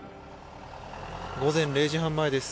午前０時半前です。